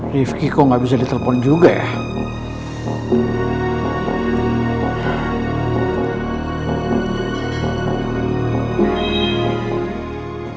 rifqi kok gabisa ditelepon juga ya